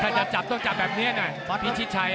ถ้าจะจับต้องจับแบบนี้นะฟอสพิชิดชัย